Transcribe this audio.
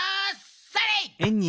それ！